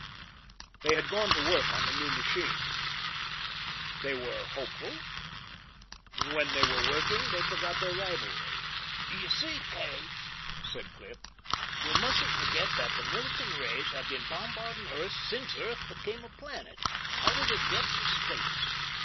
They had gone to work on the new machine. They were hopeful. When they were working, they forgot their rivalry. "You see, Kay," said Cliff, "we mustn't forget that the Millikan rays have been bombarding Earth since Earth became a planet, out of the depths of space.